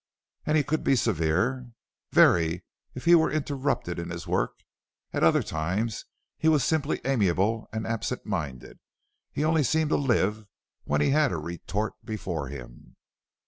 "And he could be severe?" "Very, if he were interrupted in his work; at other times he was simply amiable and absent minded. He only seemed to live when he had a retort before him."